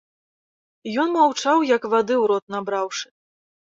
Ён маўчаў як вады ў рот набраўшы.